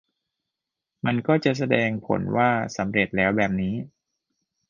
มันก็จะแสดงผลว่าสำเร็จแล้วแบบนี้